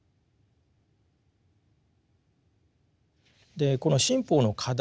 でこの新法の課題